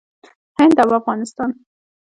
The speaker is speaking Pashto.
هند او افغانستان